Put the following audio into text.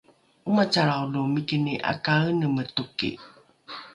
’omacalrao lo mikini ’akaeneme toki